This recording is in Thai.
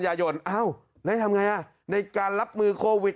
นายทำยังไงในการรับมือโควิด